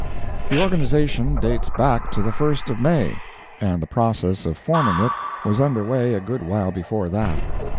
The organization dates back to the first of May, and the process of forming it was under way a good while before that.